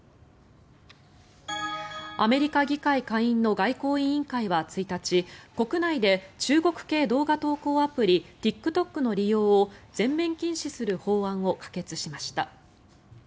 アメリカ議会下院の外交委員会は１日国内で中国系動画共有アプリＴｉｋＴｏｋの利用を全面禁止する法案を可決しました。